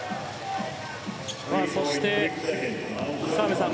そして、澤部さん